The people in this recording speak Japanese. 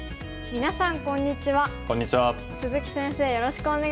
みなさんこんにちは。